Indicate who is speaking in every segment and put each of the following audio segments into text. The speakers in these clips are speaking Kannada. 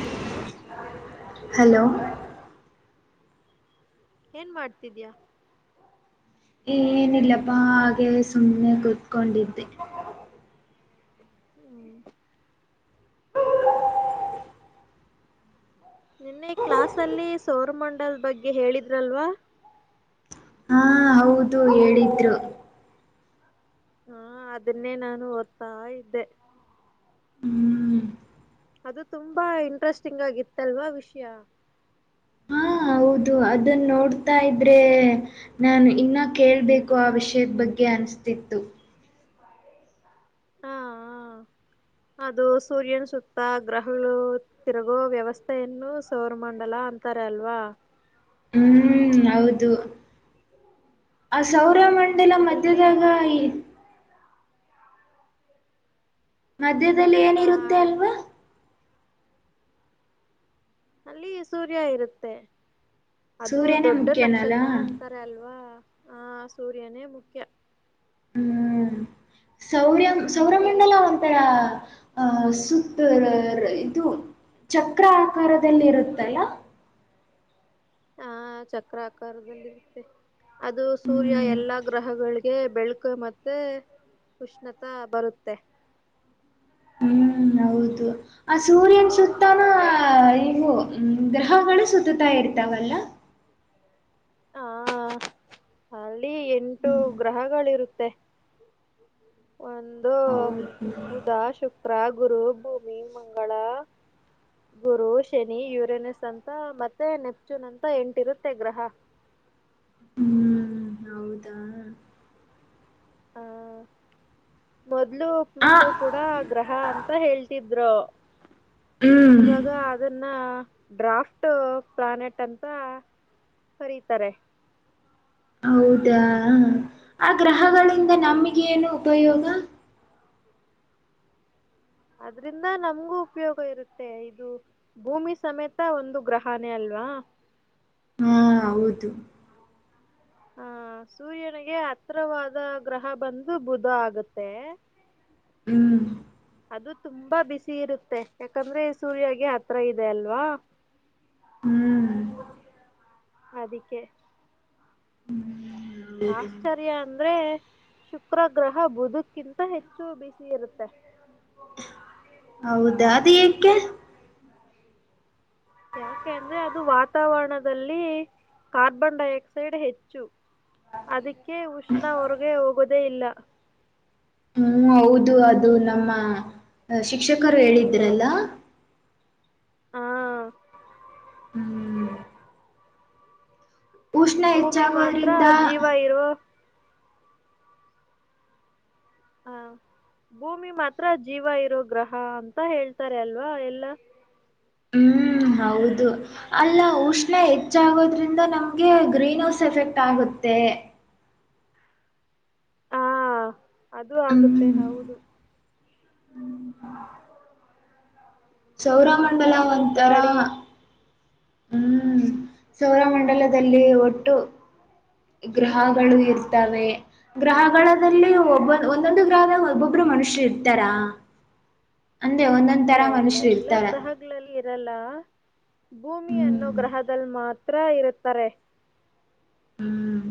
Speaker 1: ಹಲೋ
Speaker 2: ಹಲೋ
Speaker 1: ಏನ್ ಮಾಡ್ತಿದೀಯಾ.
Speaker 2: ಏನಿಲ್ಲಪ್ಪಾ ಹಾಗೆ ಸುಮ್ಮನೆ ಕೂತ್ಕೊಂಡಿದ್ದೆ.
Speaker 1: ಹ್ಮ್ ನಿನ್ನೆ ಕ್ಲಸ್ ಅಲ್ಲಿ ಸೋರಮಂಡಲ್ ಬಗ್ಗೆ ಹೇಳಿದ್ರಲ್ವಾ.
Speaker 2: ಹಾ ಹೌದು ಹೇಳಿದ್ರು.
Speaker 1: ಹಾ ಅದನ್ನೇ ನಾನು ಓದ್ತಾ ಇದ್ದೆ.
Speaker 2: ಹ್ಮ್
Speaker 1: ಅದು ತುಂಬಾ ಇಂಟ್ರೆಸ್ಟಿಂಗ್ ಆಗಿತ್ತಲ್ವಾ ವಿಷಯ.
Speaker 2: ಹಾ ಹೌದು ಅದನ್ ನೋಡ್ತಾ ಇದ್ರೆ. ನಾನು ಇನ್ನೂ ಕೇಳ್ಬೇಕು ಆ ವಿಷಯದ ಬಗ್ಗೆ ಅನ್ಸ್ತಿತ್ತು.
Speaker 1: ಹಾ ಅ ಅದು ಸೂರ್ಯನ್ ಸುತ್ತ ಗ್ರಹಣೋ. ತಿರುಗೋ ವ್ಯವಸ್ಥೆಯನ್ನು ಸೌರಮಂಡಲ ಅಂತಾರೆ ಅಲ್ವಾ.
Speaker 2: ಹ್ಮ್ ಹೌದು ಆ
Speaker 1: ಹ್ಮ್
Speaker 2: ಸೌರಮಂಡಲ
Speaker 1: ಅದ್ರಲ್ಲಿ
Speaker 2: ಮಧ್ಯದಾಗ. ಮಧ್ಯದಲ್ಲಿ
Speaker 1: ಆ
Speaker 2: ಏನಿರುತ್ತೆ ಅಲ್ವಾ.
Speaker 1: ಅಲ್ಲಿ ಸೂರ್ಯ ಇರುತ್ತೆ ಅದು
Speaker 2: ಸೂರ್ಯನೇ
Speaker 1: ದೊಡ್ಡ ನಕ್ಷತ್ರ
Speaker 2: ಮುಖ್ಯನಲ್ಲ
Speaker 1: ಅಂತ [unintelligible] ಅಲ್ವಾ ಆ ಸೂರ್ಯನೇ ಮುಖ್ಯ.
Speaker 2: ಹ್ಮ್ ಸೌರ್ಯ
Speaker 1: ಎಲ್
Speaker 2: ಸೌರಮಂಡಲ ಅಂತರ. ಆಹ ಸುತ್ತು ಲರ್ ಇದು ಚಕ್ರ ಆಕಾರದಲ್ಲಿ ಇರುತ್ತಲ್ಲ.
Speaker 1: ಹಾ ಚಕ್ರ ಆಕಾರದಲ್ಲಿರುತ್ತೆ. ಅದು ಸೂರ್ಯ ಎಲ್ಲಾ ಗ್ರಹಗಳಿಗೆ ಬೆಳಕು ಮತ್ತ್ ಮತ್ತೆ ಉಷ್ಣತಾ ಬರುತ್ತೆ.
Speaker 2: ಹ್ಮ್ ಹೌದು ಆ ಸೂರ್ಯನ್ ಸುತ್ತಾನೂ ಇವು ಗ್ರಹಗಳು ಸುತ್ತುತ್ತಾ ಇರ್ತಾವಲ್ಲ.
Speaker 1: ಹಾ ಅಲ್ಲಿ ಎಂಟು ಗ್ರಹಗಳಿರುತ್ತೆ. ಒಂದು
Speaker 2: ಹೌದು
Speaker 1: ಬುಧ ಶುಕ್ರ ಗುರು ಭೂಮಿ ಮಂಗಳ ಗುರು ಶನಿ ಯುರೇನಸ್ ಅಂತ ಮತ್ತೆ ನೆಪ್ಚೂನ್ ಅಂತ ಎಂಟಿರುತ್ತೆ ಗ್ರಹ.
Speaker 2: ಹ್ಮ್ ಹೌದಾ
Speaker 1: ಹಾ ಮೊದ್ಲು
Speaker 2: ಆ
Speaker 1: ಪ್ಲೂಟೋ ಕೂಡ ಗ್ರಹ ಅಂತ ಹೇಳ್ತಿದ್ರು
Speaker 2: ಹ್ಮ್
Speaker 1: ಇವಾಗ ಅದನ್ನ್ ಡ್ರಾಫ್ಟ್ ಪ್ಲಾನೆಟ್ ಅಂತ ಕರೀತಾರೆ.
Speaker 2: ಹೌದಾ ಆ ಗ್ರಹಗಳಿಂದ
Speaker 1: ಆ
Speaker 2: ನಮಗೆ ಏನು ಉಪಯೋಗ.
Speaker 1: ಅದ್ರಿಂದ ನಮ್ಗೂ ಉಪಯೋಗ ಇರುತ್ತೆ ಇದು ಭೂಮಿ ಸಮೇತ ಒಂದು ಗ್ರಹನೇ ಅಲ್ವಾ.
Speaker 2: ಹಾ ಹೌದು
Speaker 1: ಹ ಸೂರ್ಯನಿಗೆ ಹತ್ರವಾದ ಗ್ರಹ ಬಂದು ಬುಧ ಆಗುತ್ತೆ.
Speaker 2: ಹ್ಮ್
Speaker 1: ಅದು ತುಂಬಾ ಬಿಸಿ ಇರುತ್ತೆ ಯಾಕಂದ್ರೆ ಸೂರ್ಯಗೆ ಹತ್ರ ಇದೆ ಅಲ್ವಾ.
Speaker 2: ಹ್ಮ್
Speaker 1: ಅದಕ್ಕೆ
Speaker 2: ಹೌದಾ
Speaker 1: ಆಶ್ಚರ್ಯ ಅಂದ್ರೆ ಶುಕ್ರಗ್ರಹ ಬುದುಕ್ಕಿಂತ ಹೆಚ್ಚು ಬಿಸಿ ಇರುತ್ತೆ.
Speaker 2: ಹೌದಾ ಅದು ಏಕೆ
Speaker 1: ಯಾಕೆ ಅಂದ್ರೆ ಅದು ವಾತಾವರಣದಲ್ಲಿ ಕಾರ್ಬನ್ ಡೈ ಆಕ್ಸೈಡ್ ಹೆಚ್ಚು. ಅದಕ್ಕೆ ಉಷ್ಣ ಹೊರಗೆ ಹೋಗೋದೆ ಇಲ್ಲ.
Speaker 2: ಹ್ಮ್ ಹೌದು ಅದು ನಮ್ಮ ಶಿಕ್ಷಕರು ಹೇಳಿದ್ರಲ್ಲ.
Speaker 1: ಹಾ
Speaker 2: ಹ್ಮ್ ಉಷ್ಣ
Speaker 1: ಭೂಮಿ ಮಾತ್ರ
Speaker 2: ಹೆಚ್ಚಾಗೋದ್ರಿಂದ
Speaker 1: ಜೀವ ಇರೋ ಹಾ ಭೂಮಿ ಮಾತ್ರ ಜೀವ ಇರೋ ಗ್ರಹ ಅಂತ ಹೇಳ್ತಾರೆ ಅಲ್ವಾ ಎಲ್ಲಾ.
Speaker 2: ಹ್ಮ್ ಹೌದು ಅಲ್ಲ ಉಷ್ಣ ಹೆಚ್ಚಾಗೋದ್ರಿಂದ ನಮ್ಗೆ ಗ್ರೀನ್ ಹೌಸ್ ಎಫೆಕ್ಟ್ ಆಗುತ್ತೆ.
Speaker 1: ಹಾ ಅದು ಆಗುತ್ತೆ
Speaker 2: ಹ್ಮ್
Speaker 1: ಹೌದು.
Speaker 2: ಸೌರ ಮಂಡಲ
Speaker 1: ನೀರು
Speaker 2: ಒಂತರ.
Speaker 1: ಗಾಳಿ
Speaker 2: ಹ್ಮ್ ಸೌರಮಂಡಲದಲ್ಲಿ ಒಟ್ಟು ಗ್ರಹಗಳು ಇರ್ತವೆ. ಗ್ರಹದಲ್ಲಿ ಒಬ್ಬೊ ಒಂದೊಂದು ಗ್ರಹದ ಒಬ್ಬೊಬ್ರು ಮನುಷ್ಯರು ಇರ್ತಾರಾ. ಅಂದ್ರೆ ಒಂದೊಂದ್ ತರ ಮನುಷ್ಯರು ಇರ್ತಾರೆ.
Speaker 1: ಗಳಲ್ಲಿ ಇರಲ್ಲ ಭೂಮಿ ಅನ್ನೋ
Speaker 2: ಹ್ಮ್
Speaker 1: ಗ್ರಹದಲ್ಲಿ ಮಾತ್ರ ಇರುತ್ತಾರೆ.
Speaker 2: ಹ್ಮ್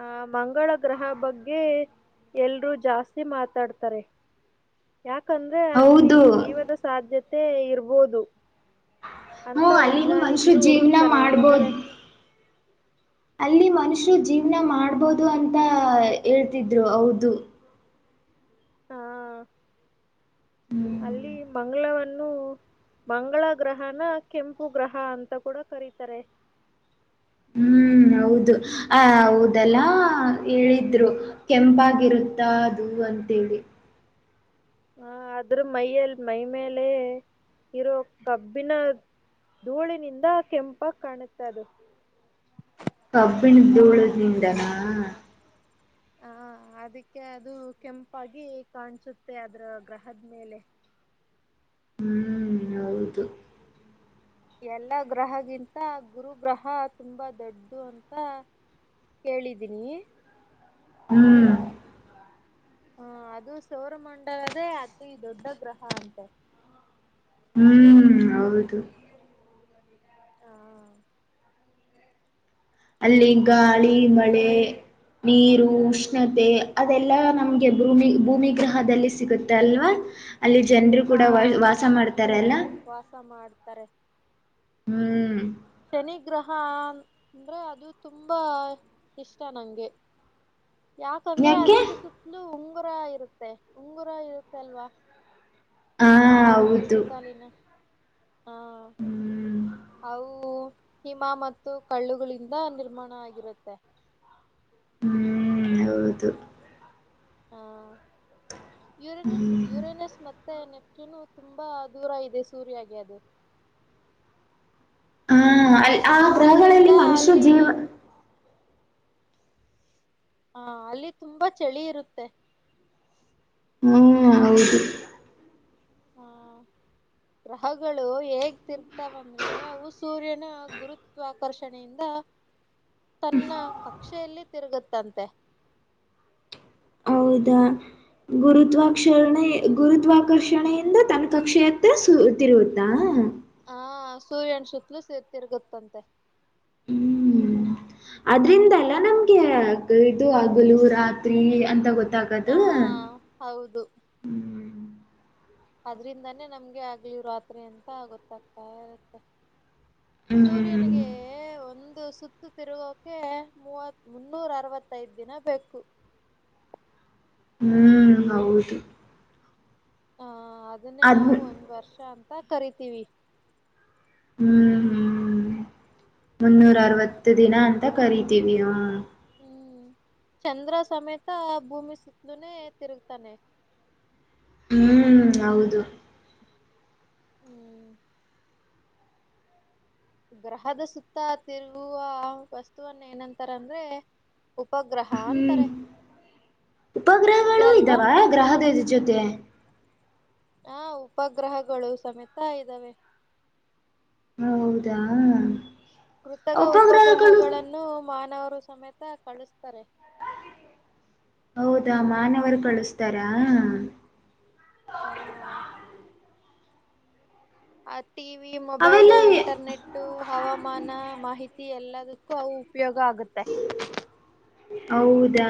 Speaker 1: ಆ ಮಂಗಳ ಗ್ರಹ ಬಗ್ಗೆ ಎಲ್ರೂ ಜಾಸ್ತಿ ಮಾತಾಡ್ತಾರೆ. ಯಾಕಂದ್ರೆ ಅಲ್ಲಿ
Speaker 2: ಹೌದು
Speaker 1: ಜೀವದ ಸಾಧ್ಯತೆ ಇರ್ಬೋದು.
Speaker 2: ಹ್ಮ
Speaker 1: ಅಂತ
Speaker 2: ಅಲ್ಲಿನೂ ಮನುಷ್ಯರು
Speaker 1: ವಿಜ್ಞಾನಿಗಳು
Speaker 2: ಜೀವನ
Speaker 1: ಹುಡುಕ್ತಾನೆ ಇದ್ದಾರೆ.
Speaker 2: ಮಾಡ್ಬೋದು ಅಲ್ಲಿ ಮನುಷ್ಯರು ಜೀವನ ಮಾಡ್ಬೋದು ಅಂತ ಹೇಳ್ತಿದ್ರು ಹೌದು.
Speaker 1: ಹಾ ಅಲ್ಲಿ ಮಂಗಳವನ್ನು ಮಂಗಳ ಗ್ರಹನ ಕೆಂಪು ಗ್ರಹ ಅಂತ ಕೂಡ ಕರೀತಾರೆ.
Speaker 2: ಹ್ಮ್ ಹೌದು ಆ ಹೌದಲ್ಲ ಹೇಳಿದ್ರು ಕೆಂಪಾಗಿರುತ್ತಾ ಅದು ಅಂತೇಳಿ
Speaker 1: ಹ ಆದ್ರ ಮೈಯಲ್ಲಿ ಮೈ ಮೇಲೆ ಇರೋ ಕಬ್ಬಿನ ಧೂಳಿನಿಂದ ಕೆಂಪಾಗ್ ಕಾಣುತ್ತೆ ಅದು
Speaker 2: ಕಬ್ಬಿಣದ ಧೂಳದನಿಂದನ
Speaker 1: ಹ ಅದಕ್ಕೆ ಅದು ಕೆಂಪಾಗಿ ಕಾಣಸುತ್ತೆ ಅದ್ರು ಗ್ರಹದ್ ಮೇಲೆ
Speaker 2: ಹ್ಮ್ ಹೌದು
Speaker 1: ಎಲ್ಲ ಗ್ರಹಗಿಂತ ಗುರು ಗ್ರಹ ತುಂಬಾ ದೊಡ್ಡು ಅಂತ ಕೇಳಿದ್ದೀನಿ
Speaker 2: ಹ್ಮ್
Speaker 1: ಹ ಅದು ಸೌರಮಂಡಲದೇ ಅತಿ ಈ ದೊಡ್ಡ ಗ್ರಹ ಅಂತೆ
Speaker 2: ಹ್ಮ್ ಹೌದು
Speaker 1: ಹಾ
Speaker 2: ಅಲ್ಲಿ ಗಾಳಿ ಮಳೆ ನೀರು ಉಷ್ಣತೆ ಅದೆಲ್ಲ ನಮಗೆ ಭೂಮಿ ಭೂಮಿಗೃಹದಲ್ಲಿ ಸಿಗುತ್ತೆ ಅಲ್ವಾ ಅಲ್ಲಿ ಜನರು ಕೂಡ
Speaker 1: ಹಾ
Speaker 2: ವಾಸ ಮಾಡ್ತಾರಲ್ಲಾ
Speaker 1: ವಾಸ ಮಾಡ್ತಾರೆ
Speaker 2: ಹ್ಮ್
Speaker 1: ಶನಿಗ್ರಹ ಅ ಅಂದರೆ ಅದು ತುಂಬ ಇಷ್ಟ ನನಗೆ ಯಾಕಂದ್ರೆ
Speaker 2: ಯಾಕೆ
Speaker 1: ಅದಕ್ಕೆ ಸುತ್ತಲೂ ಉಂಗುರ ಇರುತ್ತೆ ಉಂಗುರ ಇರುತ್ತೆ ಅಲ್ವಾ
Speaker 2: ಹಾ
Speaker 1: ಅದಕ್ಕೆ
Speaker 2: ಹೌದು
Speaker 1: ಸುತ್ತಾಲಿನ ಹಾ
Speaker 2: ಹ್ಮ್
Speaker 1: ಅವು ಹಿಮ ಮತ್ತು ಕಳ್ಳುಗಳಿಂದ ನಿರ್ಮಾಣ ಆಗಿರುತ್ತೆ
Speaker 2: ಹ್ಮ್ ಹೌದು
Speaker 1: ಹಾ ಯೂರನಸ್
Speaker 2: ಹ್ಮ್
Speaker 1: ಯುರೇನಸ್ ಮತ್ತ್ ಮತ್ತೆ ನೆಪ್ಚೂನು ತುಂಬಾ ದೂರ ಇದೆ ಸೂರ್ಯಗೆ ಅದು
Speaker 2: ಹಾ ಅ ಆ
Speaker 1: ಆದ್ರಿಂದ
Speaker 2: ಗ್ರಹಗಳಲ್ಲಿ ಮನುಷ್ಯ
Speaker 1: ಅಲ್ಲಿ
Speaker 2: ಜೀವ
Speaker 1: ಹಾ ಅಲ್ಲಿ ತುಂಬಾ ಚಳಿ ಇರುತ್ತೆ
Speaker 2: ಹ್ಮ್ ಹೌದು
Speaker 1: ಹಾ ಗ್ರಹಗಳು ಹೇಗ್ ತಿರ್ತಾವಂದ್ರೆ ಅವು ಸೂರ್ಯನ ಗುರುತ್ವ ಆಕರ್ಷಣೆಯಿಂದ ತನ್ನ ಕಕ್ಷೆಯಲ್ಲಿ ತಿರುಗುತ್ತಂತೆ
Speaker 2: ಹೌದಾ ಗುರುತ್ವಾಕ್ಷರಣೆ ಗುರುತ್ವಾಕರ್ಷಣೆಯಿಂದ ತನ್ನ ಕಕ್ಷೆಯತ್ತ ಸುತ್ತರುತ್ತಾ
Speaker 1: ಹ ಸೂರ್ಯನ ಸುತ್ತಲೂ ಸು ತಿರುಗುತ್ತಂತೆ
Speaker 2: ಅದ್ರಿಂದಲ್ಲ ನಮ್ಗೆ
Speaker 1: ಹ್ಮ್
Speaker 2: ಅದು ಇದು ಹಗಲು ರಾತ್ರಿ ಅಂತ ಗೊತ್ತಾಗದು.
Speaker 1: ಹಾ ಹೌದು. ಅದ್ರಿಂದಾನೇ ನಮ್ಗೆ ಹೋಗಲು ರಾತ್ರಿ ಅಂತ ಗೊತ್ತಾಗ್ತಾ ಇರುತ್ತೆ.
Speaker 2: ಹ್ಮ್
Speaker 1: ಸೂರ್ಯನಿಗೆ ಒಂದು ಸುತ್ತ. ಹೋತ್ತು ತಿರುಗೋಕೆ ಮೂವತ್ ಮುನ್ನೂರ ಅರವತ್ತೈದ್ ದಿನ ಬೇಕು.
Speaker 2: ಹ್ಮ್ ಹೌದು.
Speaker 1: ಹಾ ಅದನ್ನೇ
Speaker 2: ಅದ್
Speaker 1: ನಾವು
Speaker 2: ಹ್ಮ್
Speaker 1: ಒಂದ ವರ್ಷ ಅಂತ ಕರಿತೀವಿ.
Speaker 2: ಹ್ಮ್ ಹ್ಮ್ ಮುನ್ನೂರ
Speaker 1: ಹ್ಮ್
Speaker 2: ಅರವತ್ತು ದಿನ ಅಂತ ಕರಿತೀವಿ ಹ್ಮ್.
Speaker 1: ಹ್ಮ್ ಚಂದ್ರ ಸಮೇತ ಭೂಮಿ ಸುತ್ತನೆ ತಿರುಗ್ತಾನೆ.
Speaker 2: ಹ್ಮ್ ಹೌದು.
Speaker 1: ಹ್ಮ್. ಗ್ರಹದ ಸುತ್ತ ತಿರುಗುವ ವಸ್ತುವನ್ನು ಏನಂತಾರ ಅಂದ್ರೆ ಉಪಗ್ರಹ ಅಂತಾರೆ. ನಿಜ
Speaker 2: ಉಪಗ್ರಹಗಳು
Speaker 1: ಅಲ್ವಾ
Speaker 2: ಇದ್ದಾವ ಗ್ರಹದ ಜೊತೆ.
Speaker 1: ಹಾ ಉಪಗ್ರಹಗಳು ಸಮೇತ ಇದ್ದಾವೆ.
Speaker 2: ಒ ಹೌದಾ.
Speaker 1: ಕೃತಕ
Speaker 2: ಉಪಗ್ರಹಗಳು
Speaker 1: ಉಪಗ್ರಹಗಳನ್ನು ಮಾನವರು ಸಮೇತ ಕಳಿಸ್ತಾರೆ.
Speaker 2: ಹೌದಾ ಮಾನವರು ಕಳಸ್ತಾರಾ.
Speaker 1: ಹ ಆ ಟಿ ವಿ ಮೊಬೈಲು
Speaker 2: ಅವೆಲ್ಲ
Speaker 1: ಇಂಟರ್ನೆಟ್ಟು ಹವಾಮಾನ ಮಾಹಿತಿ ಎಲ್ಲದ ಉಪಯೋಗ ಆಗುತ್ತೆ.
Speaker 2: ಹೌದಾ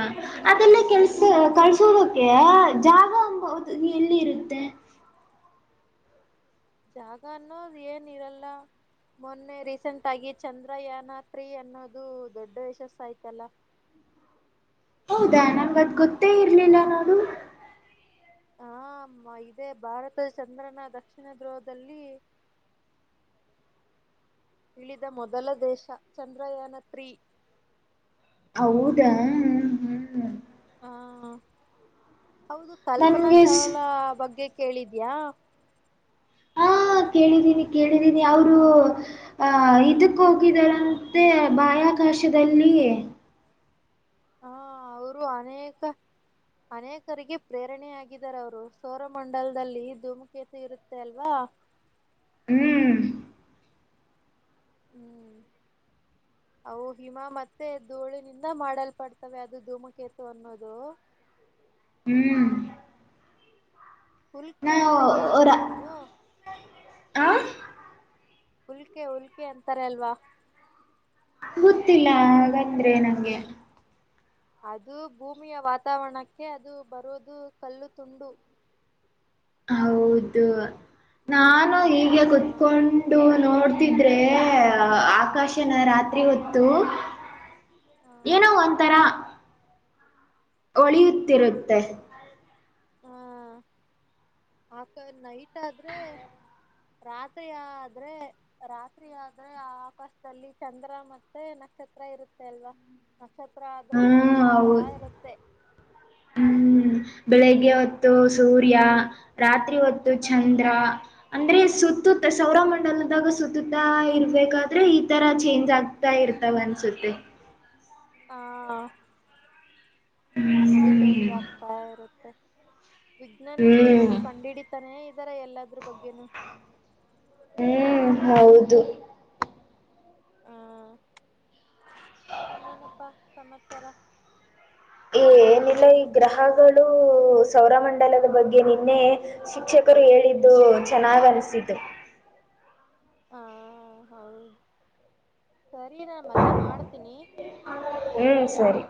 Speaker 2: ಅದೆಲ್ಲ ಕೆಲ್ಸ.
Speaker 1: ಹ
Speaker 2: ಕಳ್ಸೋದಕ್ಕೆ ಜಾಗ ಅಂಬದ್ ಎಲ್ಲಿ ಇರುತ್ತೆ?
Speaker 1: ಜಾಗನ್ನೋ ಏನ್ ಇರಲ್ಲ. ಮೊನ್ನೆ ರೀಸೆಂಟ್ ಆಗಿ ಚಂದ್ರಯಾನ ಟ್ರೀ ಅನ್ನೋದು ದೊಡ್ಡ ಯಶಸ್ಸ ಆಯ್ತಲ್ಲ.
Speaker 2: ಹೌದಾ ನನ್ಗ ಅದ್ ಗೊತ್ತೇ ಇರ್ಲಿಲ್ಲ ನೋಡು.
Speaker 1: ಹ ಇದೇ ಭಾರತ ಚಂದ್ರನ ದಕ್ಷಿಣ ಧ್ರವದಲ್ಲಿ ಇಳಿದ ಮೊದಲ ದೇಶ ಚಂದ್ರಯಾನ ತ್ರೀ.
Speaker 2: ಹೌದಾ.
Speaker 1: ಹಾ ಹೌದು ಕಲ್ಪನಾ
Speaker 2: ನನ್ಗೆ ಸ್-
Speaker 1: ಚಾವಲ ಬಗ್ಗೆ ಕೇಳಿದ್ಯಾ?
Speaker 2: ಹಾ ಕೇಳಿದೀನಿ ಕೇಳಿದೀನಿ ಅವರು ಆ ಇದಕ್ಕೋಗಿದರಂತೆ ಬಾಹ್ಯಾಕಾಶದಲ್ಲಿ
Speaker 1: ಹಾ ಅವರು ಅನೇಕ ಅನೇಕರಿಗೆ ಪ್ರೇರಣೆ ಆಗಿದ್ದಾರೆ ಅವರು ಸೋರಮಂಡಲದಲ್ಲಿ ಧೂಮುಕೇತು ಸಇರುತ್ತೆ ಅಲ್ವಾ
Speaker 2: ಹ್ಮ.
Speaker 1: ಹ್ಮ. ಅವು ಹಿಮ ಮತ್ತೆ ಧೂಳಿನಿಂದ ಮಾಡಲ್ಪಡ್ತವೆ ಅದು ಧೂಮಕೇತು ಅನ್ನೋದು.
Speaker 2: ಹ್ಮ.
Speaker 1: ಹುಲ್ಕೆ ಅಂತ
Speaker 2: ಅವರ
Speaker 1: ಕೇಳಿದ್ದೆ ನೀನು?
Speaker 2: ಆ
Speaker 1: ಹುಲ್ಕೆ ಹುಲ್ಕೆ ಅಂತಾರ ಅಲ್ವಾ
Speaker 2: ಗೊತ್ತಿಲ್ಲ ಹಾಗಂದ್ರೆ ನಂಗೆ
Speaker 1: ಅದು ಭೂಮಿಯ ವಾತಾವರಣಕ್ಕೆ ಅದು ಬರುವುದು ಕಲ್ಲು ತುಂಡು.
Speaker 2: ಹೌದು ನಾನು ಹೀಗೆ
Speaker 1: ಹಾ
Speaker 2: ಕುತ್ಕೊಂಡು ನೋಡ್ತಿದ್ರೆ ಆಕಾಶನ ರಾತ್ರಿ ಹೊತ್ [unintelligible]
Speaker 1: [inaudible]
Speaker 2: ಏನೋ ಒಂಥರ ಒಳಿಯುತ್ತಿರುತ್ತೆ.
Speaker 1: ಹಾ ಆಕೊದ್ ನೈಟ್ ಆದ್ರೆ ರಾತ್ರಿ ಆದ್ರೆ ರಾತ್ರಿ ಆದ್ರೆ ಆ ಆಕಾಶದಲ್ಲಿ ಚಂದ್ರ ಮತ್ತೆ ನಕ್ಷತ್ರ ಇರುತ್ತೆ ಅಲ್ವಾ. ನಕ್ಷತ್ರ ಆದ್ರೆ
Speaker 2: ಹ್ಮ್
Speaker 1: ಮಿನುಗ್ತಾ
Speaker 2: ಹೌದು
Speaker 1: ಇರತ್ತೆ.
Speaker 2: ಹ್ಮ್ ಬೆಳಿಗ್ಗೆ ಹೊತ್ತು ಸೂರ್ಯ ರಾತ್ರಿ ಹೊತ್ತು ಚಂದ್ರ ಅಂದ್ರೆ ಸುತ್ತುತ್ತ ಸೌರ ಮಂಡಲದಾಗ ಸುತ್ತುತ್ತ ಇರ್ಬೇಕಾದ್ರೆ ಈ ತರ ಚೇಂಜ್ ಆಗ್ [unintelligible] ಇರ್ತಾವ ಅನ್ಸುತ್ತೆ.
Speaker 1: ಹಾ ಅದು ಚೇಂಜ್ ಆಗ್ತಾ ಇರುತ್ತೆ ವಿಜ್ಞಾನಿಗಳು ಇನ್ನು
Speaker 2: ಹ್ಮ್
Speaker 1: ಕಂಡು ಹಿಡ ತಾನೇ ಇದ್ದಾರೆ ಎಲ್ಲದ್ರ ಬಗ್ಗೆನು
Speaker 2: ಹ್ಮ್ ಹೌದು
Speaker 1: ಆ ಇನ್ನೇನಪ್ಪಾ ಸಮಾಚಾರ
Speaker 2: ಏನಲ್ಲ ಈ ಗ್ರಹಗಳು ಸೌರ ಮಂಡಲದ ಬಗ್ಗೆ ನಿನ್ನೆ ಶಿಕ್ಷಕರು ಹೇಳಿದ್ದು ಚೆನ್ನಾಗ್ ಅನಿಸಿದ್ದು
Speaker 1: ಹಾ ಹೌದು ಸರಿ ನಾನು ಮತ್ತೆ ಮಾಡ್ತೀನಿ
Speaker 2: ಹ್ಮ್ ಸರಿ